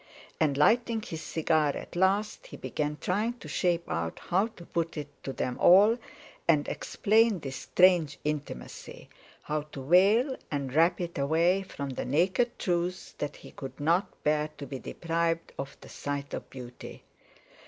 And lighting his cigar at last, he began trying to shape out how to put it to them all, and explain this strange intimacy; how to veil and wrap it away from the naked truth—that he could not bear to be deprived of the sight of beauty.